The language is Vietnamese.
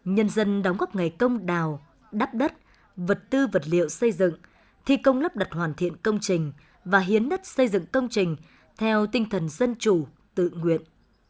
nhân dân đóng góp ngày công đào đắp đất vật tư vật liệu xây dựng thi công lắp đặt hoàn thiện công trình và hiến đất xây dựng công trình theo tinh thần dân chủ tự nguyện